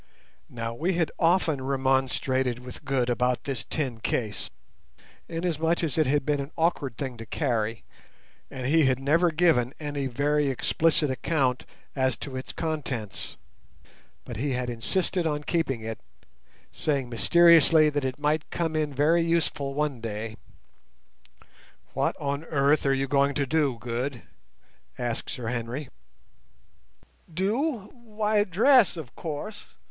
Now we had often remonstrated with Good about this tin case, inasmuch as it had been an awkward thing to carry, and he had never given any very explicit account as to its contents; but he had insisted on keeping it, saying mysteriously that it might come in very useful one day. "What on earth are you going to do, Good?" asked Sir Henry. "Do—why dress, of course!